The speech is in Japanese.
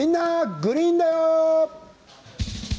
グリーンだよ」。